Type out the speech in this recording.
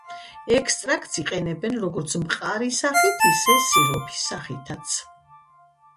ექსტრაქტს იყენებენ როგორც მყარი სახით, ისე სიროფის სახითაც.